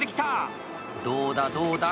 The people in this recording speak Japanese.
どうだ、どうだ。